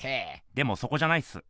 でもそこじゃないっす。